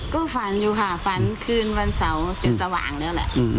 ก็ฝันอยู่ค่ะฝันคืนวันเสาร์จะสว่างแล้วแหละ